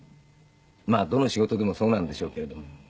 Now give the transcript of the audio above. まあどの仕事でもそうなんでしょうけれども。